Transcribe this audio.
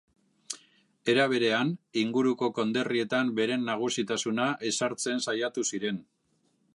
Era berean, inguruko konderrietan bere nagusitasuna ezartzea saiatu zuten.